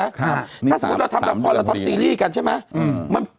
ถ้าสมมุติเราทำซีรีส์กันใช่มั้ย